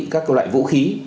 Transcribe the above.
các loại vũ khí